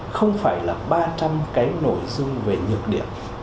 không phải là ba trăm linh cái nội dung về nhược điểm